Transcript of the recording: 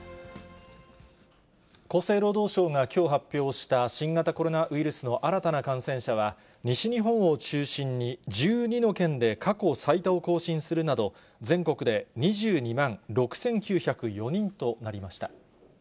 厚生労働省がきょう発表した新型コロナウイルスの新たな感染者は、西日本を中心に１２の県で過去最多を更新するなど、全国で２２万６９０４人となりました。